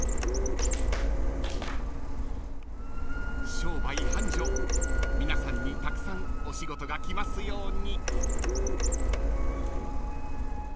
［商売繁盛皆さんにたくさんお仕事が来ますように］